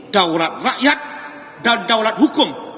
daurat rakyat dan daulat hukum